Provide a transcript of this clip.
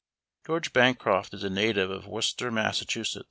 t George Bancroft is a native of Worcester, Mass.